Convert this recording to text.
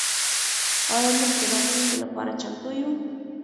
آیا موږ د راتلونکي لپاره چمتو یو؟